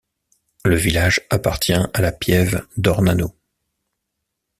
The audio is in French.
Le village appartient à la piève d'Ornano.